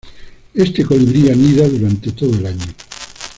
Este colibrí anida durante todo el año.